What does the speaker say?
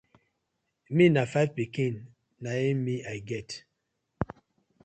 Mi na fiv pikin na it me I get.